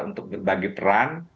untuk berbagi peran